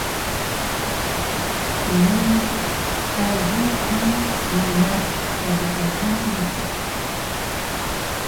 Smulu egu ka ngalan pnegalang